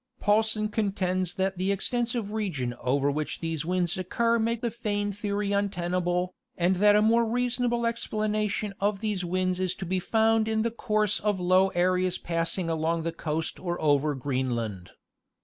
Paulsen contends that the extensive region over which these winds occur make the foehn theory untenable, and that a more reasonable explanation of these winds is to be found in the course of low areas passing along the coast or over Greenland.